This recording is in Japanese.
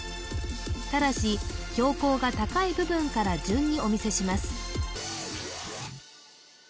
ただし標高が高い部分から順にお見せします